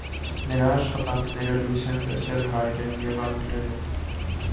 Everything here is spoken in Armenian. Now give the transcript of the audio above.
Նրա աշխատանքները լույս են տեսել հայերեն և անգլերեն։